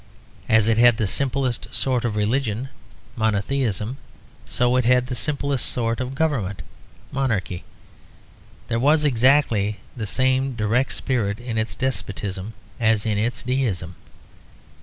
As it had the simplest sort of religion, monotheism, so it had the simplest sort of government, monarchy. There was exactly the same direct spirit in its despotism as in its deism.